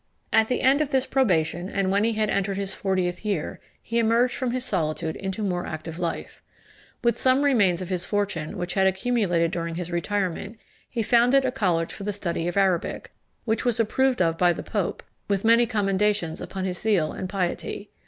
At the end of this probation, and when he had entered his fortieth year, he emerged from his solitude into more active life. With some remains of his fortune, which had accumulated during his retirement, he founded a college for the study of Arabic, which was approved of by the pope, with many commendations upon his zeal and piety.